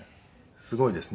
すごいですね。